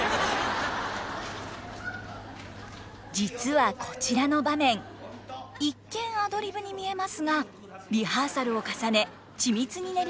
実はこちらの場面一見アドリブに見えますがリハーサルを重ね緻密に練り上げられたものでした。